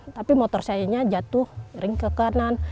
tapi motor saya jatuh kering ke kanan